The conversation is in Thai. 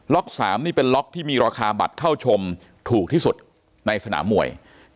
๓นี่เป็นล็อกที่มีราคาบัตรเข้าชมถูกที่สุดในสนามมวย